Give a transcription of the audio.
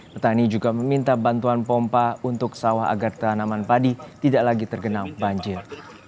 petani juga meminta bantuan pompa untuk sawah agar tanaman padi tidak lagi tergenang banjir